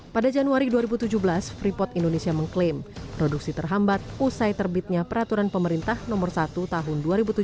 pada januari dua ribu tujuh belas freeport indonesia mengklaim produksi terhambat usai terbitnya peraturan pemerintah nomor satu tahun dua ribu tujuh belas